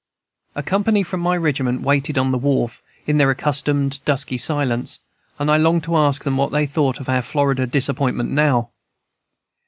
"A company from my regiment waited on the wharf, in their accustomed dusky silence, and I longed to ask them what they thought of our Florida disappointment now?